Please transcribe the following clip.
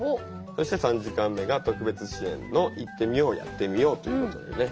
そして３時間目が特別支援の「いってみようやってみよう」ということでね。